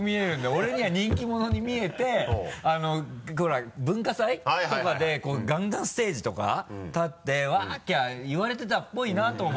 俺には人気者に見えてほら文化祭とかでガンガンステージとか立ってワキャ言われてたっぽいなと思って。